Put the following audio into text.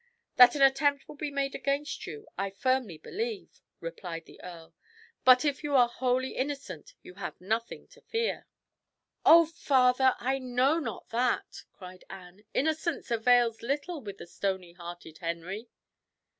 "That an attempt will be made against you, I firmly believe," replied the earl; "but if you are wholly innocent you have nothing to fear." "Oh, father! I know not that," cried Anne. "Innocence avails little with the stony hearted Henry."